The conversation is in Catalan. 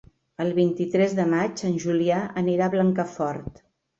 El vint-i-tres de maig en Julià anirà a Blancafort.